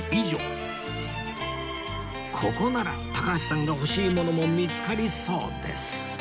ここなら高橋さんが欲しいものも見つかりそうです